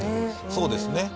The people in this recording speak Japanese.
そうですね。